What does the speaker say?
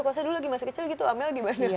kau sadu lagi masih kecil gitu amel gimana